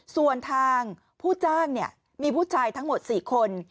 ส่วนทางผู้จ้างมีผู้ชายทั้งหมด๔คน